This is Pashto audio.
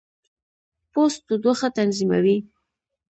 پوست تودوخه تنظیموي.